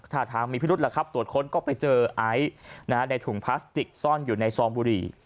ถ้าทางมีพิรุษแล้วครับตรวจค้นก็ไปเจอไอซ์ในถุงพลาสติกซ่อนอยู่ในซองบุหรี่